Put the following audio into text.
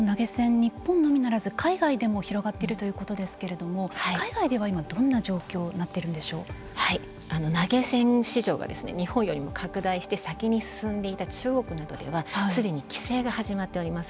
日本のみならず海外でも広がっているということですけれども海外ではどんな状況に投げ銭市場が日本よりも拡大して先に進んでいた中国などではすでに規制が始まっております。